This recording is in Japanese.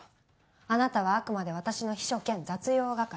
あなたはあくまで私の秘書兼雑用係。